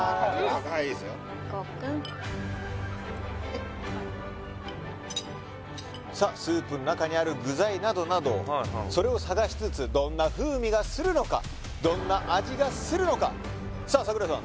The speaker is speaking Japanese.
はいいいですよ・ごっくんさあスープの中にある具材などなどそれを探しつつどんな風味がするのかどんな味がするのかさあ櫻井さん